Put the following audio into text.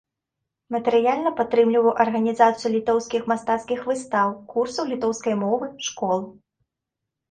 Матэрыяльна падтрымліваў арганізацыю літоўскіх мастацкіх выстаў, курсаў літоўскай мовы, школ.